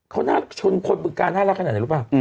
เขาน่าชนคนบึงการน่ารักขนาดไหนรู้ป่ะ